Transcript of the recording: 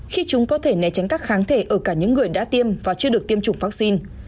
khi chúng có thể né tránh các kháng thể ở cả những người đã tiêm và chưa được tiêm chủng vaccine